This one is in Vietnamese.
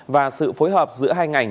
và sự phối hợp giữa hai ngành